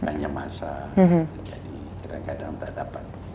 jadi kadang kadang tidak dapat